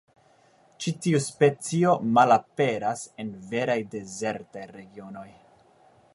Ĉi tiu specio malaperas en veraj dezertaj regionoj.